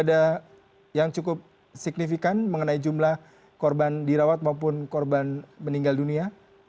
ada yang cukup signifikan mengenai jumlah korban dirawat maupun korban meninggal dunia